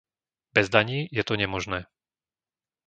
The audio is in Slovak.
Bez daní je to nemožné.